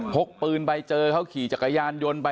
พกปืนไปเจอเขาขี่จักรยานยนต์ไป